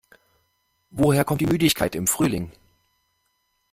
Woher kommt die Müdigkeit im Frühling?